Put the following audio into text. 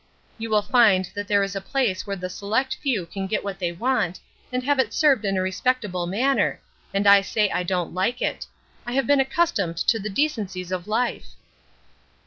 You will find that there is a place where the select few can get what they want, and have it served in a respectable manner, and I say I don't like it; I have been accustomed to the decencies of life."